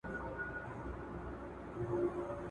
که خلګ یو بل ومني نو تلپاتې سوله به راشي.